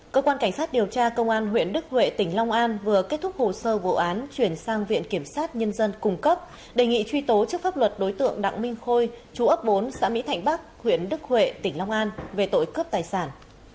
cơ quan cảnh sát điều tra công an huyện đức huệ tỉnh long an vừa kết thúc hồ sơ vụ án chuyển sang viện kiểm sát nhân dân cung cấp đề nghị truy tố trước pháp luật đối tượng đặng minh khôi chú ấp bốn xã mỹ thạnh bắc huyện đức huệ tỉnh long an về tội cướp tài sản